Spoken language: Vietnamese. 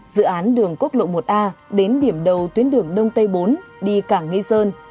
dự án đường quốc lộ một a đến điểm đầu tuyến đường đông tây bốn đi cảng nghi sơn